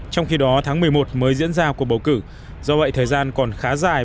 trong khi đó tháng một mươi một mới diễn ra cuộc bầu cử do vậy thời gian còn khá dài